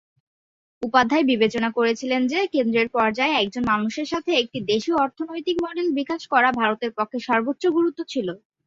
উপাধ্যায় বিবেচনা করেছিলেন যে কেন্দ্রের পর্যায়ে একজন মানুষের সাথে একটি দেশীয় অর্থনৈতিক মডেল বিকাশ করা ভারতের পক্ষে সর্বোচ্চ গুরুত্ব ছিল।